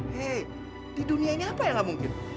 hei di dunia ini apa yang gak mungkin